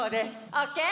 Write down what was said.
オッケー？